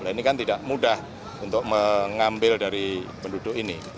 nah ini kan tidak mudah untuk mengambil dari penduduk ini